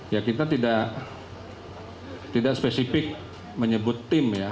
ya kita tidak spesifik menyebut tim ya